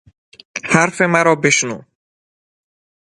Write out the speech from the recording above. حرف مرا بشنو!